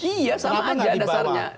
iya sama aja dasarnya